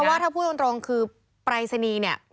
เพราะว่าถ้าพูดตรงคือปรายศนีย์นี่